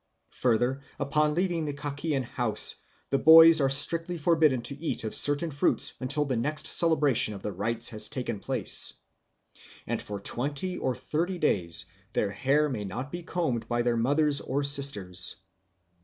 Further, upon leaving the Kakian house the boys are strictly forbidden to eat of certain fruits until the next celebration of the rites has taken place. And for twenty or thirty days their hair may not be combed by their mothers or sisters.